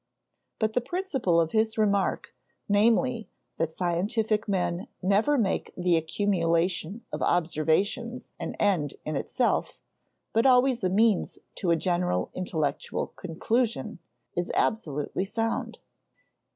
But the principle of his remark, namely, that scientific men never make the accumulation of observations an end in itself, but always a means to a general intellectual conclusion, is absolutely sound.